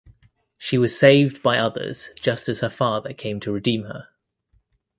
She was saved by others just as her father came to redeem her.